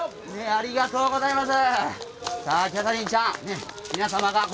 ありがとうございます。